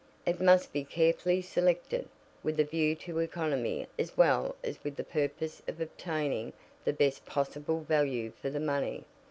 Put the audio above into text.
It must be carefully selected, with a view to economy as well as with the purpose of obtaining the best possible value for the money.